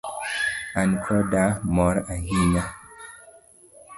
An kod mor ahinya.